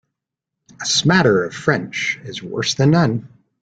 A smatter of French is worse than none.